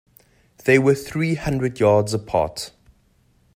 They were three hundred yards apart.